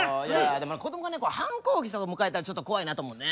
でも子供がね反抗期迎えたらちょっと怖いなと思うね。